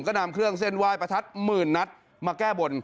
ก็นำเครื่องเส้นไหว้ประทัดหมื่นนัดมาแก้บน